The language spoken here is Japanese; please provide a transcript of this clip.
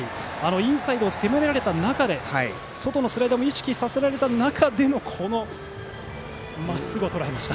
インサイドを攻められた中で外のスライダーを意識させられた中でまっすぐをとらえました。